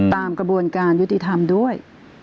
ตามกระบวนการยุติธรรมด้วย